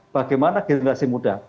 bagaimana generasi muda